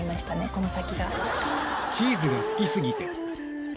この先が。